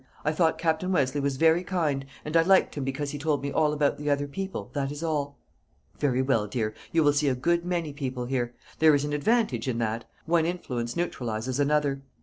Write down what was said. I thought Captain Westleigh was very kind, and I liked him because he told me all about the other people; that is all." "Very well, dear. You will see a good many people here; there is an advantage in that one influence neutralises another.